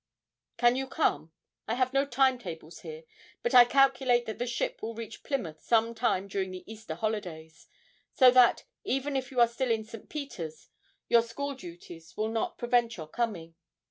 Can you come? I have no time tables here, but I calculate that the ship will reach Plymouth some time during the Easter holidays, so that, even if you are still at St. Peter's, your school duties will not prevent your coming.